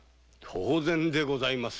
当然でございます